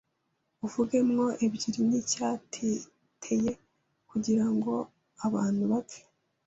Uvugemo ebyiri n’icyaziteye kugirango abantu bapfe